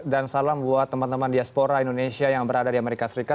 dan salam buat teman teman diaspora indonesia yang berada di amerika serikat